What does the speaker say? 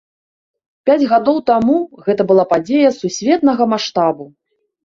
Пяць гадоў таму гэта была падзея сусветнага маштабу.